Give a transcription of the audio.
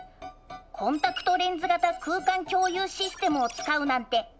コンタクトレンズ型空間共有システムを使うなんておしゃれですね。